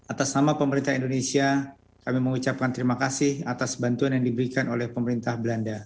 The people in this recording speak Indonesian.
atas nama pemerintah indonesia kami mengucapkan terima kasih atas bantuan yang diberikan oleh pemerintah belanda